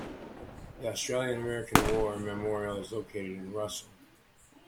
The Australian American War Memorial is located in Russell.